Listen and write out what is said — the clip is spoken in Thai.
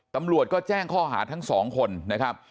ตำรวจก็แจ้งข้อหาทั้งสองคนนะครับ